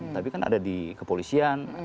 tapi kan ada di kepolisian